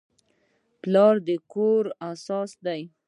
پلار د کور اساس دی.